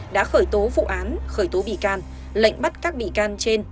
đã khởi tố vụ án khởi tố bị can lệnh bắt các bị can trên